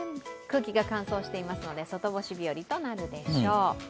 空気が乾燥していますので外干し日和となるでしょう。